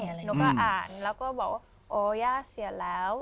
หนูก็อ่านแล้วก็บอกว่าโอ้ย่าเสียแล้ว